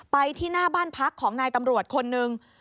ไปที่หน้าบ้านพักของนายตำรวจคนหนึ่ง